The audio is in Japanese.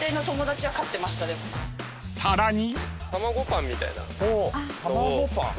［さらに］